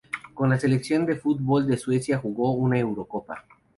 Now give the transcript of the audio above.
Con la selección de fútbol de Suecia jugó una Eurocopa.